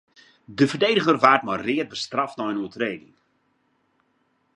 De ferdigener waard mei read bestraft nei in oertrêding.